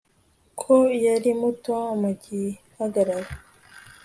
ko yari muto mu gihagararo